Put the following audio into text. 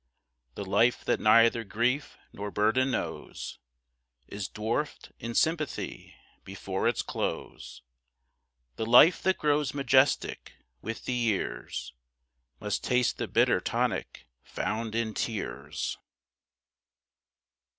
The life that neither grief nor burden knows Is dwarfed in sympathy before its close. The life that grows majestic with the years Must taste the bitter tonic found in tears.